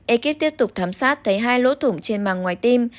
ekip tiếp tục thám sát thấy hai lỗ thủng trên màng ngoài tim